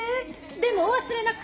でもお忘れなく！